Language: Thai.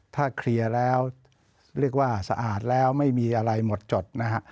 ถ้าเคลียร์แล้วเรียกว่าสะอาดแล้วไม่มีอะไรหมดจดนะฮะ